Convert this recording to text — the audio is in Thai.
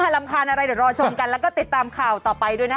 รำคาญอะไรเดี๋ยวรอชมกันแล้วก็ติดตามข่าวต่อไปด้วยนะคะ